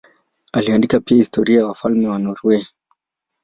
Aliandika pia historia ya wafalme wa Norwei.